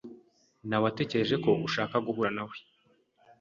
Nawetekereje ko ushaka guhura nawe .